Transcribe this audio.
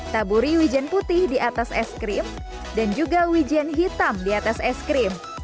taburi wijen putih di atas es krim dan juga wijen hitam di atas es krim